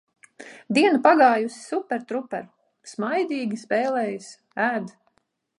Diena pagājusi super truper - smaidīgi, spēlējas, ēd.